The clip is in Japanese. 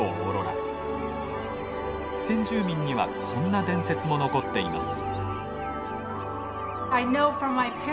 先住民にはこんな伝説も残っています。